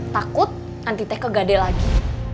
takut anti teh kegade lagi